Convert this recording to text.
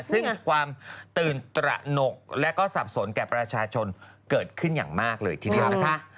ซึ่งความตื่นตระหนกและก็สับสนแก่ประชาชนเกิดขึ้นอย่างมากเลยทีเดียวนะคะ